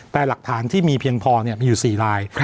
แต่หลักฐานที่มีเพียงพอมีอยู่๔ลาย